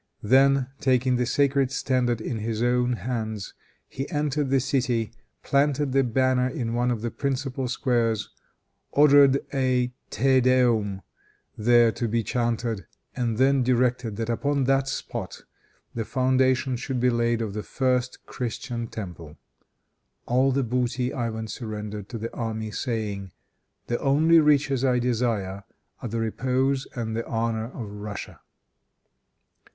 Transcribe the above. Then taking the sacred standard in his own hands, he entered the city, planted the banner in one of the principal squares, ordered a Te Deum there to be chanted, and then directed that upon that spot the foundation should be laid of the first Christian temple. All the booty Ivan surrendered to the army, saying, "The only riches I desire, are the repose and the honor of Russia."